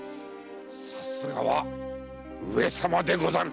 さすがは上様でござる。